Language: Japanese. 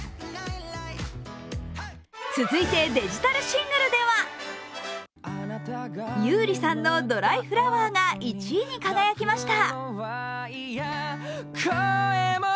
続いてデジタルシングルでは優里さんの「ドライフラワー」が１位に輝きました。